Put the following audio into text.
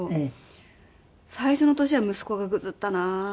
最初の年は息子がぐずったな。